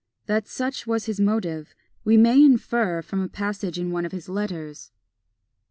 That such was his motive, we may infer from a passage in one of his letters.